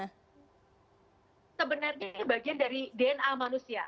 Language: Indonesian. sebenarnya itu bagian dari dna manusia